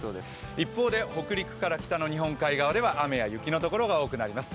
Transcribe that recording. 一方で北陸から北の日本海側では雨や雪のところが多くなります。